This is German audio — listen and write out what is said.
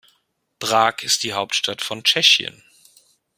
Prag ist die Hauptstadt von Tschechien.